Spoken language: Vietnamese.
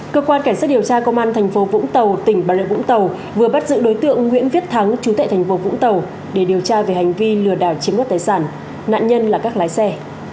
cơ quan cảnh sát điều tra công an thành phố vũng tàu tỉnh bà lợi vũng tàu vừa bắt giữ đối tượng nguyễn viết thắng chú tại thành phố vũng tàu để điều tra về hành vi lừa đảo chiếm đoạt tài sản nạn nhân là các lái xe